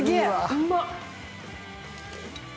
うまっ。